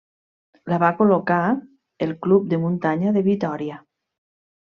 La va col·locar el club de muntanya de Vitòria.